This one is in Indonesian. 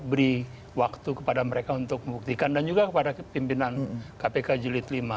bagi mereka kita harus beri waktu kepada mereka untuk membuktikan dan juga kepada pimpinan kpk julid v